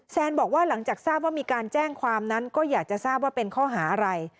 แซนบอกว่าหลังจากทราบว่ามีการแจ้งความนั้นก็อยากจะทราบว่าเป็นข้อหาอะไร